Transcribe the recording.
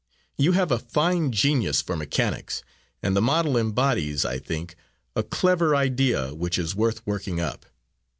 You have a fine genius for mechanics, and the model embodies, I think, a clever idea, which is worth working up.